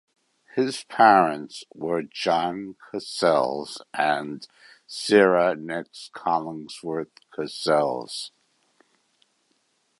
His parents were John Cassels and Sarah Nix (Collinsworth) Cassels.